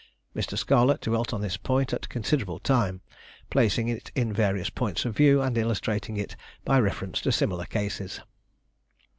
Mr. Scarlett dwelt on this point a considerable time, placing it in various points of view, and illustrating it by reference to similar cases.